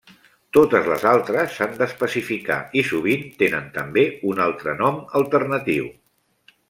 Totes les altres, s'han d'especificar, i sovint tenen també un altre nom alternatiu.